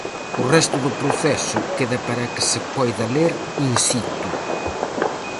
O resto do proceso queda para que se poida ler in situ.